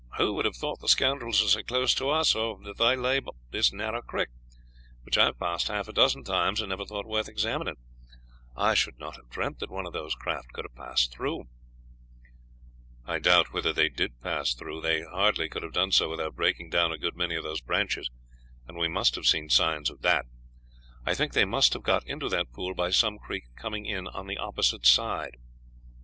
Who would have thought the scoundrels were so close to us, or that they lay up this narrow creek, which I have passed half a dozen times and never thought worth examining? I should not have dreamt that one of those craft could have passed through." "I doubt whether they did pass through. They hardly could have done so without breaking down a good many of these branches, and we must have seen signs of that. I think they must have got into that pool by some creek coming in on the opposite side.